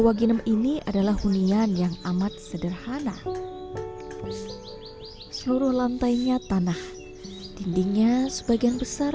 waginem ini adalah hunian yang amat sederhana seluruh lantainya tanah dindingnya sebagian besar